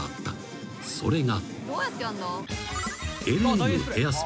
［それが］